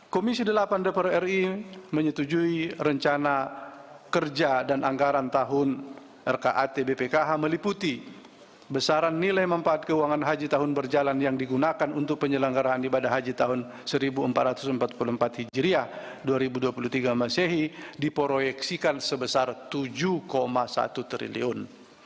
enam komisi delapan dpr ri menyetujui rencana kerja dan anggaran tahun rka tbpkh meliputi besaran nilai mempaat keuangan haji tahun berjalan yang digunakan untuk penyelenggaraan ibadah haji tahun seribu empat ratus empat puluh empat hijriah dua ribu dua puluh tiga masehi diproyeksikan sebesar rp tujuh satu triliun